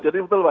jadi betul pak